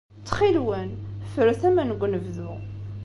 Ttxil-wen, ffret aman deg unebdu.